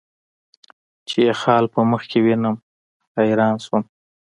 چې یې خال په مخ کې وینم، حیران شوم.